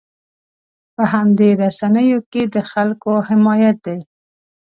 په همدې رسنیو کې د خلکو حمایت دی.